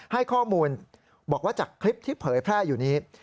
ให้ข้อมูลบอกว่าจากคลิปที่เผยแพร่อยู่นี้